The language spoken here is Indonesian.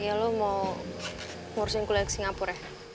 ya lo mau ngurusin kuliah ke singapura ya